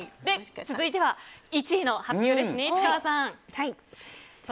続いては、１位の発表ですね市川さん。